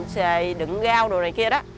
sề đựng gao đồ này kia đó